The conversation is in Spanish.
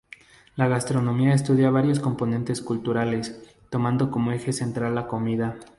La gastronomía estudia varios componentes culturales, tomando como eje central la comida.